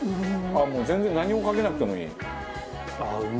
もう全然何もかけなくてもいい。